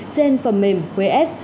trên phẩm mềm huế s